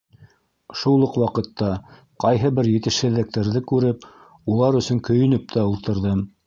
Шул уҡ ваҡытта ҡайһы бер етешһеҙлектәрҙе күреп, улар өсөн көйөнөп тә ултырҙым.